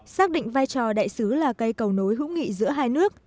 xác định vai trò đại sứ là cây cầu nối hữu nghị giữa hai nước